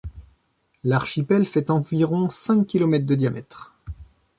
L'archipel fait environ cinq kilomètres de diamètre.